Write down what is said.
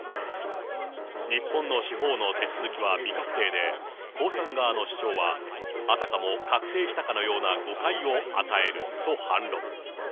日本の司法の手続きは未確定で、江さん側の主張は、あたかも確定したかのような誤解を与えると反論。